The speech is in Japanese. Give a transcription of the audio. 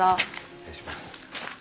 失礼します。